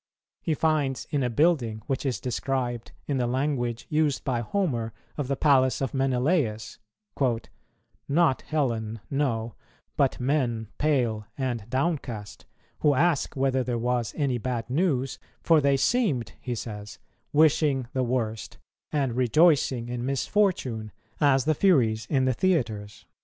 He finds, in a building which is described in the language used by Homer of the Palace of Menelaus, "not Helen, no, but men pale and downcast," who ask, whether there was any bad news; "for they seemed," he says, "wishing the worst; and rejoicing in misfortune, as the Furies in the theatres."